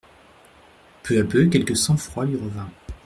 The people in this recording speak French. Peu à peu quelque sang-froid lui revint.